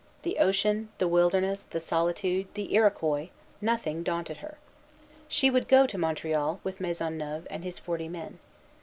The ocean, the wilderness, the solitude, the Iroquois, nothing daunted her. She would go to Montreal with Maisonneuve and his forty men.